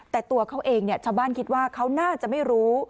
แต่ตัวเขาเองชาวบ้านคิดว่าเขาน่าจะไม่รู้